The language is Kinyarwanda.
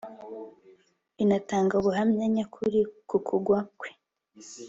binatanga ubuhamya nyakuri ku kugwa kwe